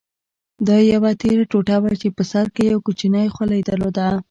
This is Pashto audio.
دا یوه تېره ټوټه وه چې په سر کې یې یو کوچنی خولۍ درلوده.